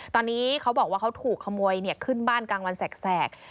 ตอนนี้เขาบอกว่าเขาถูกขโมยขึ้นบ้านกลางวันแสก